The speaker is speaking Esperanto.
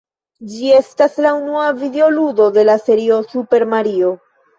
Ĝi estas la unua videoludo de la serio "Super Mario".